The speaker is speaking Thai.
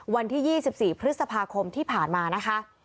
วันที่๒๔พฤษภาคมที่ผ่านมานะคะ